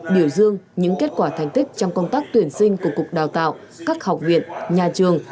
biểu dương những kết quả thành tích trong công tác tuyển sinh của cục đào tạo các học viện nhà trường